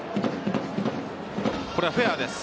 これはフェアです。